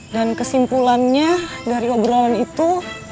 dan kesimpulannya dari obrolan itu